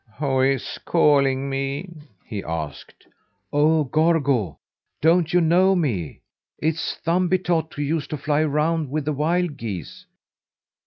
"Who is calling me?" he asked. "Oh, Gorgo! Don't you know me? It's Thumbietot who used to fly around with the wild geese."